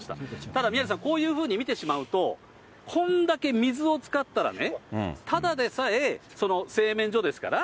ただ、宮根さん、こういうふうに見てしまうと、こんだけ水を使ったらね、ただでさえ、製麺所ですから、